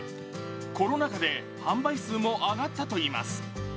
コロナ禍で販売数も上がったといいます。